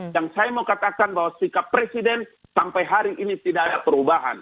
yang saya mau katakan bahwa sikap presiden sampai hari ini tidak ada perubahan